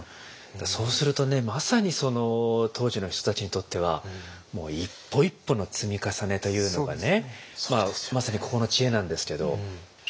そうするとねまさに当時の人たちにとってはもう一歩一歩の積み重ねというのがねまさにここの知恵なんですけど。